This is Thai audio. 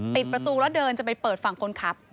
ปิดประตูแล้วเดินจะไปเปิดฝั่งคนขับ